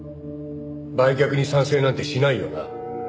売却に賛成なんてしないよな？